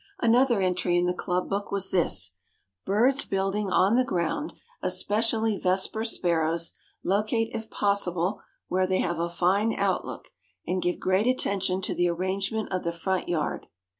Another entry in the club book was this: "Birds building on the ground, especially Vesper Sparrows, locate if possible where they have a fine outlook, and give great attention to the arrangement of the front yard."